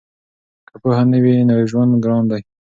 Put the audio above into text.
که پوهه نه وي نو ژوند ګران دی.